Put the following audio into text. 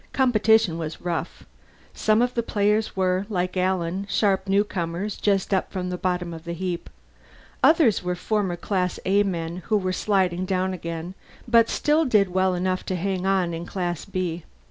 Competition was rough. Some of the players were, like Alan, sharp newcomers just up from the bottom of the heap; others were former Class A men who were sliding down again, but still did well enough to hang on in Class B.